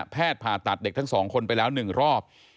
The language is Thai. แพทย์ผ่าตัดเด็กทั้งสองคนไปแล้วหนึ่งรอบ